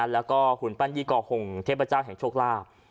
แล้วก็หุ่นปั้นยี่ก่อหงเทพเจ้าแห่งโชคลาภ